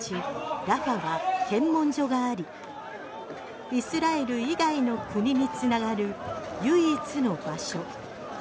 ラファは検問所がありイスラエル以外の国に繋がる唯一の場所。